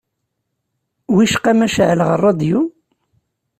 Wicqa ma ceεleɣ rradyu?